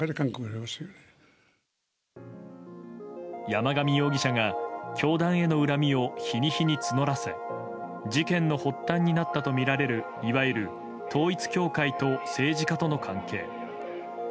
山上容疑者が教団への恨みを日に日に募らせ事件の発端になったとみられるいわゆる統一教会と政治家との関係。